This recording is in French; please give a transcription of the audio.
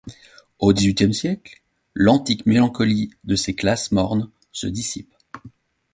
Au dix-huitième siècle l’antique mélancolie de ces classes mornes se dissipe.